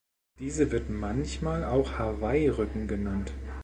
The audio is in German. Diese wird manchmal auch Hawaii-Rücken genannt.